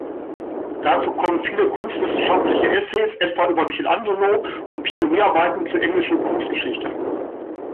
Dazu kommen viele kunstwissenschaftliche Essays, etwa über Michelangelo, und Pionierarbeiten zur englischen Kunstgeschichte.